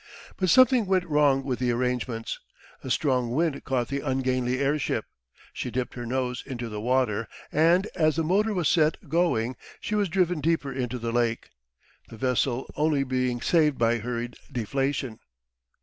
But something went wrong with the arrangements. A strong wind caught the ungainly airship, she dipped her nose into the water, and as the motor was set going she was driven deeper into the lake, the vessel only being saved by hurried deflation.